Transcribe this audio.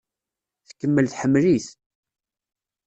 Tkemmel tḥemmel-it.